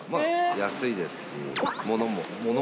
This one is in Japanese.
安いですし物も。